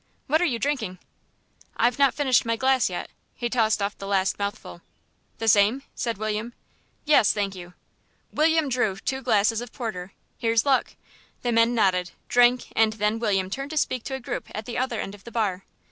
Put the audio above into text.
What are you drinking?" "I've not finished my glass yet." He tossed off the last mouthful. "The same?" said William. "Yes, thank you." William drew two glasses of porter. "Here's luck." The men nodded, drank, and then William turned to speak to a group at the other end of the bar.